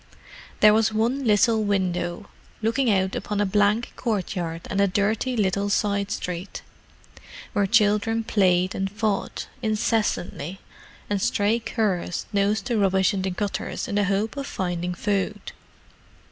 There was one little window, looking out upon a blank courtyard and a dirty little side street, where children played and fought incessantly, and stray curs nosed the rubbish in the gutters in the hope of finding food.